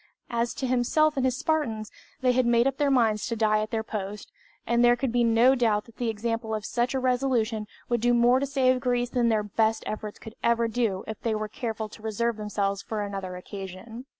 As to himself and his Spartans, they had made up their minds to die at their post, and there could be no doubt that the example of such a resolution would do more to save Greece than their best efforts could ever do if they were careful to reserve themselves for another occasion.